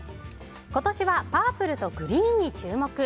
今年はパープルとグリーンに注目。